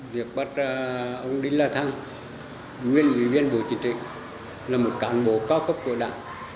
việc bắt ông đinh la thăng nguyên ủy viên bộ chính trị là một cán bộ cao cấp của đảng